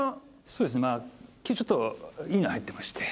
そうですね今日ちょっといいの入ってまして。